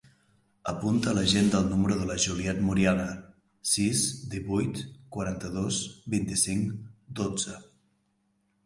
Apunta a l'agenda el número de la Juliette Moriana: sis, divuit, quaranta-dos, vint-i-cinc, dotze.